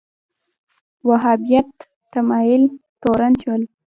وهابیت تمایل تورن شول